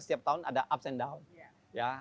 setiap tahun ada ups and downs